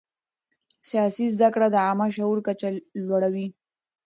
سیاسي زده کړه د عامه شعور کچه لوړوي